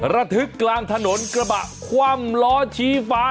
ระทึกกลางถนนกระบะคว่ำล้อชี้ฟ้า